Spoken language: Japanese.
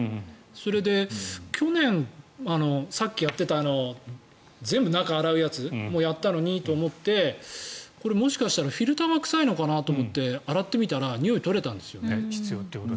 それで、去年さっきやってた全部、中を洗うやつもやったのにと思ってこれ、もしかしたらフィルターが臭いのかなって思って洗ってみたらにおい取れたんですよね。